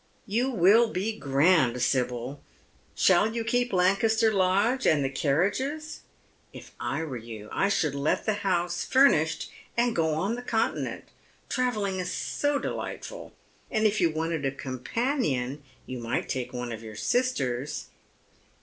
" You will be grand, Sibyl I Shall you keep Lancaster Lodge and the cariiages? If I were you I should let the house furnished and go on the Continent. Travelling is so delightful, and if you wanted a companion you might take one of your sisters."